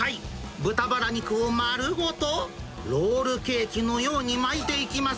豚バラ肉を丸ごと、ロールケーキのように巻いていきます。